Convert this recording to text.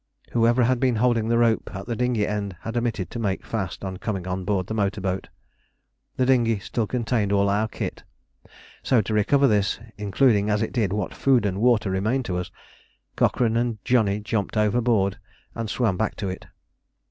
Whoever had been holding the rope at the dinghy end had omitted to make fast on coming on board the motor boat. The dinghy still contained all our kit; so to recover this, including as it did what food and water remained to us, Cochrane and Johnny jumped overboard and swam back to it.